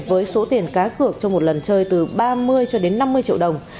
với số tiền cá cược trong một lần chơi từ ba mươi cho đến năm mươi triệu đồng